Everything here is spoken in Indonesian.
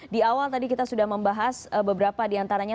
di awal tadi kita sudah membahas beberapa diantaranya